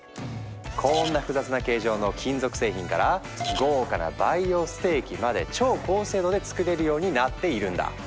こんな複雑な形状の金属製品から豪華な培養ステーキまで超高精度で作れるようになっているんだ！